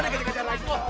ntar aku langsung nambah